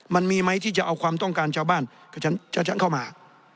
มันมีไหมที่จะเอาความต้องการชาวบ้านกับฉันเข้ามา